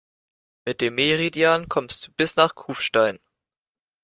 Mit dem Meridian kommst du bis nach Kufstein.